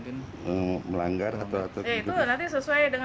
itu nanti sesuai dengan peraturan dan perundang undangan yang berlaku